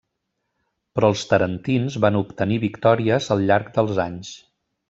Però els tarentins van obtenir victòries al llarg dels anys.